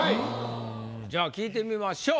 じゃあ聞いてみましょう。